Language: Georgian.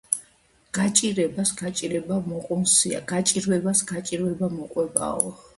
გაჭირებას გაჭირება მოჸუნსია."გაჭირვებას გაჭირვება მოჰყვებაო."